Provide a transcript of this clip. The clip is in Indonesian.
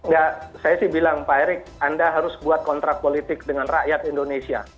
enggak saya sih bilang pak erick anda harus buat kontrak politik dengan rakyat indonesia